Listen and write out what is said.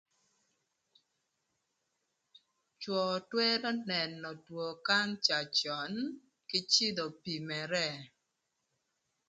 Cwö twërö nënö two kanca cön kï cïdhö pimere.